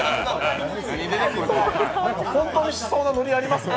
ホントにしそうなノリありますよ。